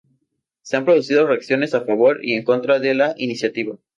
Se han producido reacciones a favor y en contra de la iniciativa.